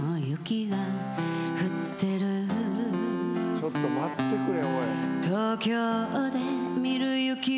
ちょっと待ってくれおい。